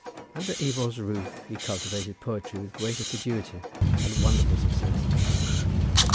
Under Ifor's roof he cultivated poetry with great assiduity and wonderful success.